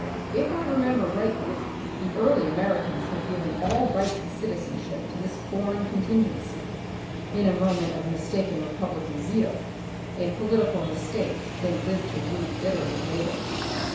(If I remember rightly the early Americans had given all rights of citizenship to this foreign contingency, in a moment of mistaken Republican zeal, a polit ical mistake they lived to rue bitterly later).